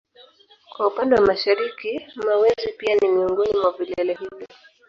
Kwa upande wa mashariki Mawenzi pia ni miongoni mwa vilele hivyo